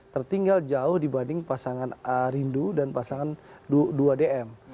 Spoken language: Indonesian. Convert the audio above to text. tertinggal jauh dibanding pasangan rindu dan pasangan dua dm